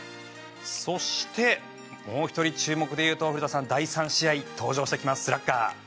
そして、もう１人注目でいうと第３試合、登場してきますスラッガー。